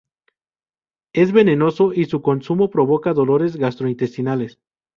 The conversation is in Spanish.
Es venenoso, y su consumo provoca dolores gastrointestinales.